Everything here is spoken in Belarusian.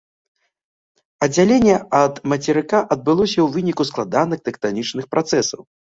Аддзяленне ад мацерыка адбылося ў выніку складаных тэктанічных працэсаў.